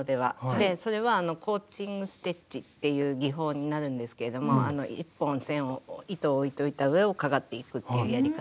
でそれはコーチング・ステッチっていう技法になるんですけれどもあの１本線を糸を置いといた上をかがっていくっていうやり方。